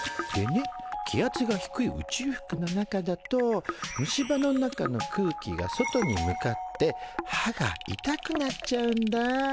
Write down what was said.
でね気圧が低い宇宙服の中だと虫歯の中の空気が外に向かって歯が痛くなっちゃうんだ。